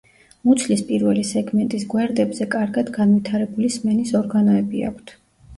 მუცლის პირველი სეგმენტის გვერდებზე კარგად განვითარებული სმენის ორგანოები აქვთ.